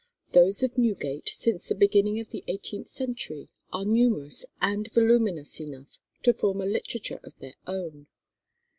Those of Newgate since the beginning of the eighteenth century are numerous and voluminous enough to form a literature of their own.